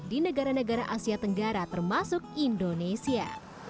di negara negara asia tenggara termasuk indonesia